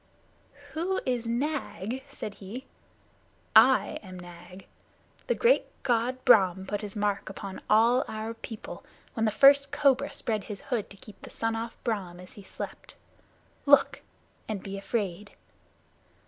"Who is Nag?" said he. "I am Nag. The great God Brahm put his mark upon all our people, when the first cobra spread his hood to keep the sun off Brahm as he slept. Look, and be afraid!"